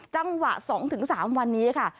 จังหวะ๒๓วันนี้ค่ะ